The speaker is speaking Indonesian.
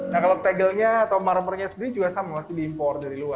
nah kalau tegelnya atau marmurnya sendiri juga sama masih diimpor dari luar